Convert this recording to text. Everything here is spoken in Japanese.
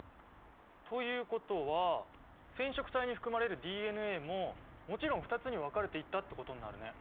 ということは染色体に含まれるＤＮＡももちろん２つに分かれていったってことになるね。